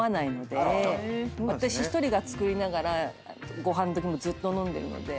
私一人が作りながらご飯時もずっと飲んでるので。